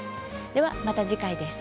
では、また次回です。